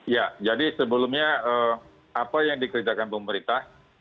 ya jadi sebelumnya apa yang dikerjakan pemerintah